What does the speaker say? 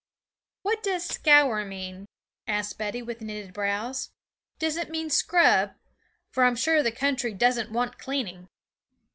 'What does scour mean?' asked Betty with knitted brows. 'Does it mean scrub? for I'm sure the country doesn't want cleaning.'